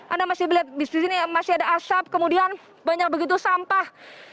anda masih melihat di sini masih ada asap kemudian banyak begitu sampah